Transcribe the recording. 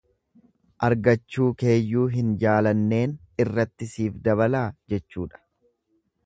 Argachuu keeyyuu hin jaalanneen irratti sii dabalaa jechuudha.